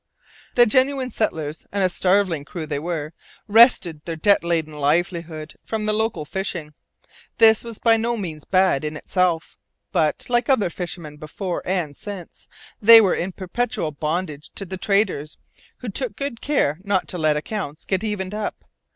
The genuine settlers and a starveling crew they were wrested their debt laden livelihood from the local fishing. This was by no means bad in itself. But, like other fishermen before and since, they were in perpetual bondage to the traders, who took good care not to let accounts get evened up.